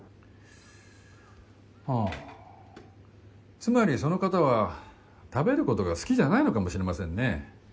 つまりその方は食べることが好きじゃないのかもしれませんね。